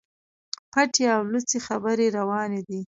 پټي او لڅي خبري رواني دي.